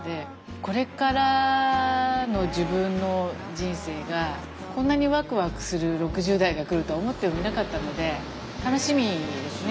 これからの自分の人生がこんなにワクワクする６０代が来るとは思ってもみなかったので楽しみですね